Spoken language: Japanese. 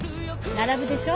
並ぶでしょ？